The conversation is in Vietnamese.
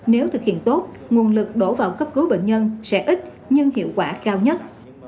nếu thực hiện tốt nguồn lực đổ vào cấp cứu bệnh nhân sẽ ít nhưng hiệu quả cao nhất